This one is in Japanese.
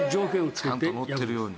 ちゃんと乗ってるように。